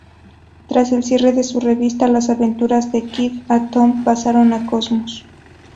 Tras el cierre de su revista, las aventuras de Kid Atom pasaron a Cosmos.